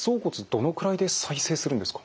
どのくらいで再生するんですか？